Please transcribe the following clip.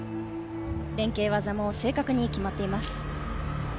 連係技も正確に決まっています。